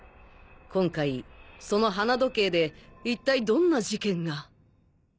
今回その花時計で一体どんな事件が。